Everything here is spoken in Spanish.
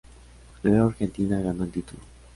Luego Argentina ganó el título.